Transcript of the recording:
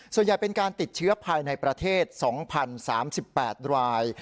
ส่วนใหญ่เป็นการติดเชื้อภายในประเทศ๒๐๓๘ราย